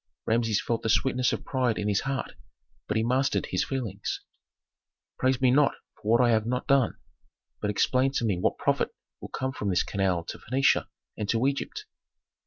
Rameses felt the sweetness of pride in his heart, but he mastered his feelings. "Praise me not for what I have not done; but explain to me what profit will come from this canal to Phœnicia and to Egypt?"